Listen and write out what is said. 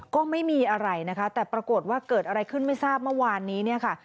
ก็ไม่มีอะไรนะคะแต่ปรากฏว่าเกิดอะไรขึ้นไม่ทราบเมื่อวานนี้เนี่ยค่ะ